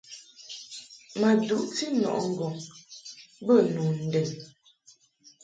Ma duʼti nɔʼɨ ŋgɔŋ be nu ndɛn.